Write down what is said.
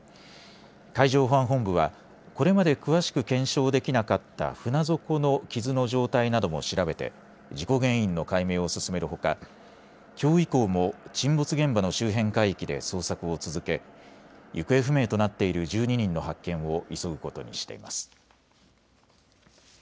海上保安本部はこれまで詳しく検証できなかった船底の傷の状態なども調べて事故原因の解明を進めるほかきょう以降も沈没現場の周辺海域で捜索を続け行方不明となっている１２人の発見を急ぐことにしています。